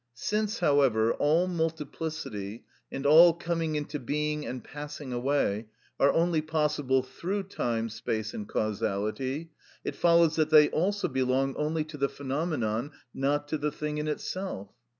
Since, however, all multiplicity, and all coming into being and passing away, are only possible through time, space, and causality, it follows that they also belong only to the phenomenon, not to the thing in itself.